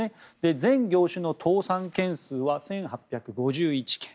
全業種の倒産件数は１８５１件。